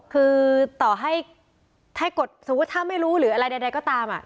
คือต่อให้ถ้าไม่รู้หรืออะไรใดก็ตามอ่ะ